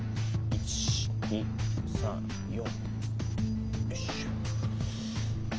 １２３４。